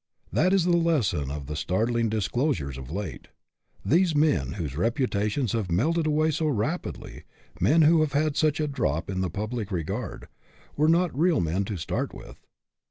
That is the lesson of the startling disclos ures of late. These men whose reputations have melted away so rapidly men who have had such a drop in the public regard were not real men to start with.